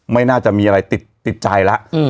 ไม่น่าจะมีอะไรติดใจแล้ว